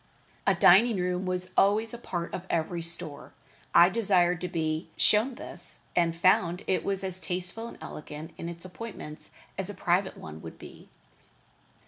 A dining room was always a part of every store. I desired to be shown this, and found it as tasteful and elegant in its appointments as a private one would be.